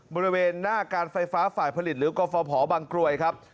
บริเวณหน้าการไฟฟ้าฝ่ายผลิตหรือกรฟภบางกรวยครับ